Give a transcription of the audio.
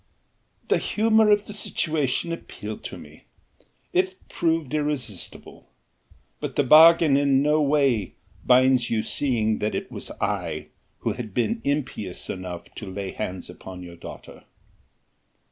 "The humour of the situation appealed to me it proved irresistible but the bargain in no way binds you seeing that it was I who had been impious enough to lay hands upon your daughter."